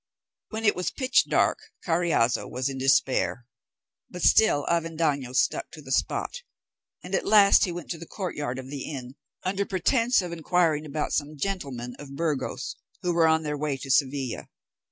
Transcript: When it was pitch dark Carriazo was in despair, but still Avendaño stuck to the spot; and, at last, he went into the courtyard of the inn, under pretence of inquiring after some gentlemen of Burgos who were on their way to Seville.